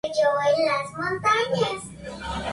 La lectura del triángulo vocálico se realiza en dos ejes.